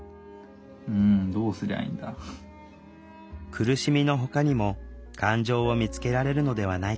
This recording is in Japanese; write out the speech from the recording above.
苦しみのほかにも感情を見つけられるのではないか。